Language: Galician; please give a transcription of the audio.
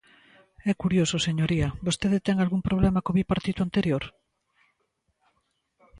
É curioso, señoría, ¿vostede ten algún problema co Bipartito anterior?